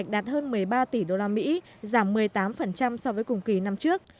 đạt hơn một mươi ba tỷ usd giảm một mươi tám so với cùng kỳ năm trước